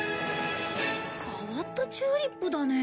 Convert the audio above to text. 変わったチューリップだね。